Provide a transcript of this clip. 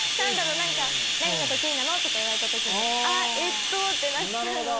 何か何が得意なの？とか言われた時にあえっとってなっちゃうのが。